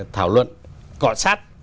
thảo luận cọ sát